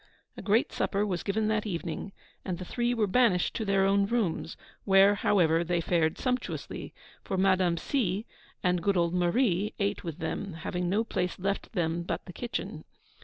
A great supper was given that evening, and the Three were banished to their own rooms; where, however, they fared sumptuously, for Madame C. and good old Marie ate with them, having no place left them but the kitchen.